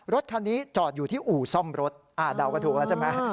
รถคันนี้จอดอยู่ที่อู่ซ่อมรถเดากันถูกแล้วใช่ไหม